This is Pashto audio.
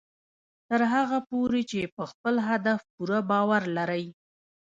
تر هغه پورې چې په خپل هدف پوره باور لرئ